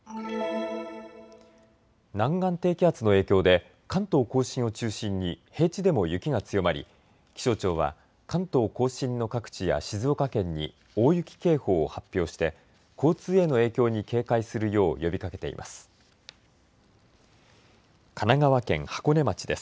南岸低気圧の影響で関東甲信を中心に平地でも雪が強まり気象庁は関東甲信の各地や静岡県に大雪警報を発表して交通への影響に警戒するよう呼びかけています。